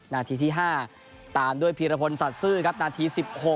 นาทีที่๕ตามด้วยพีรพลสัตว์ซื่อครับนาที๑๖